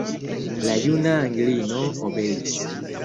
La juna Anglino obeis.